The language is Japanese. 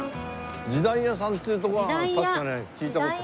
時代屋さんっていう所が確かね聞いた事。